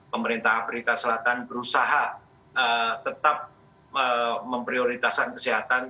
pemerintah afrika selatan berusaha tetap memprioritaskan kesehatan